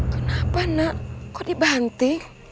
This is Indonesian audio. kenapa nak kok dibanting